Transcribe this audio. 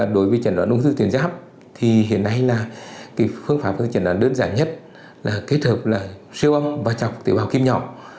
đối với trận đoán ung thư tuyệt giáp thì hiện nay là phương pháp trận đoán đơn giản nhất là kết hợp là siêu âm và chọc tế bào kim nhỏ